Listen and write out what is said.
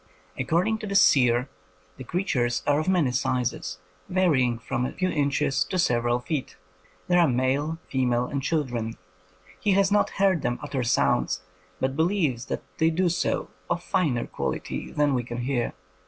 According to this seer, the creatures are of many sizes, varying from a few inches to several feet. They are male, female, and children. He has not heard them utter sounds, but believes that they do so, of finer quality than we can hear.